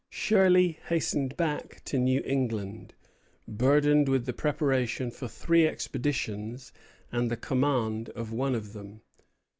Shirley hastened back to New England, burdened with the preparation for three expeditions and the command of one of them.